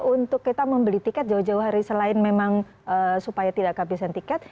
untuk kita membeli tiket jauh jauh hari selain memang supaya tidak kehabisan tiket